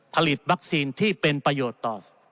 ผลิตวัคซีนที่เป็นประโยชน์ต่อ